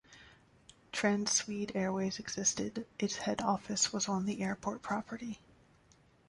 Transwede Airways existed, its head office was on the airport property.